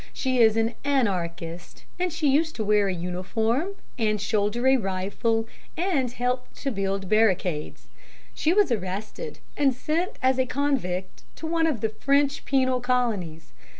She is an anarchist, and she used to wear a uniform, and shoulder a rifle, and help to build barricades. She was arrested and sent as a convict to one of the French penal colonies.